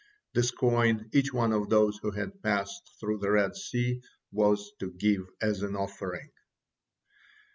This coin each one of those who had passed through the Red Sea was to give as an offering.